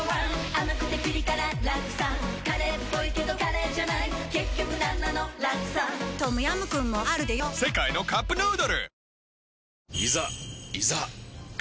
甘くてピリ辛ラクサカレーっぽいけどカレーじゃない結局なんなのラクサトムヤムクンもあるでヨ世界のカップヌードル